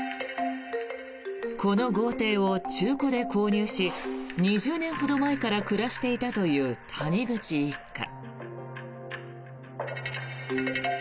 この豪邸を中古で購入し２０年ほど前から暮らしていたという谷口一家。